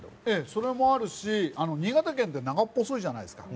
それもあるし、新潟県って長細いじゃないですか。